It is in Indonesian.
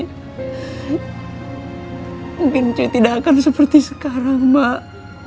mungkin saya tidak akan seperti sekarang mbak